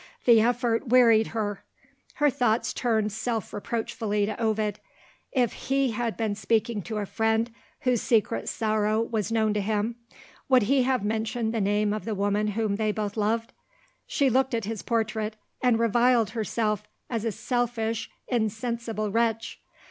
The effort wearied her. Her thoughts turned self reproachfully to Ovid. If he had been speaking to a friend whose secret sorrow was known to him, would he have mentioned the name of the woman whom they both loved? She looked at his portrait, and reviled herself as a selfish insensible wretch.